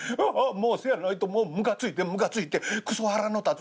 もうそやないともうムカついてムカついてくそ腹の立つ」。